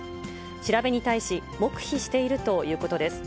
調べに対し、黙秘しているということです。